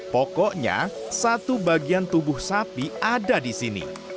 pokoknya satu bagian tubuh sapi ada di sini